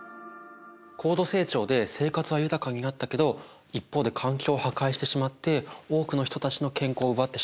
高度成長で生活は豊かになったけど一方で環境を破壊してしまって多くの人たちの健康を奪ってしまったんですね。